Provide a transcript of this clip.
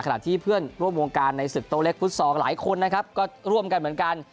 ขณะที่เพื่อนร่วมวงการในศึกโต๊เล็กฟุตซอลหลายคนนะครับก็ร่วมกันเหมือนกัน